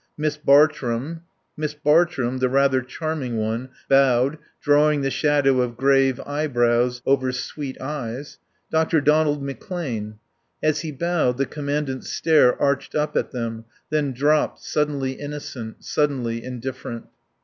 "Miss Bartrum " Miss Bartrum, the rather charming one, bowed, drawing the shadow of grave eyebrows over sweet eyes. "Dr. Donald McClane " As he bowed the Commandant's stare arched up at them, then dropped, suddenly innocent, suddenly indifferent.